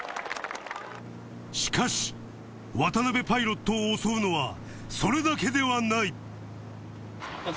しかし渡邊パイロットを襲うのはそれだけではないはぁ